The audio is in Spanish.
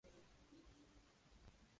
La "u" se transforma a "eru".